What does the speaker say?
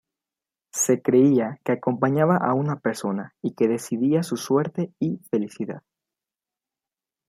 Se creía que acompañaba a una persona y que decidía su suerte y felicidad.